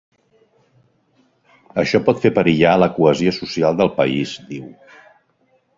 Això pot fer perillar la cohesió social del país, diu.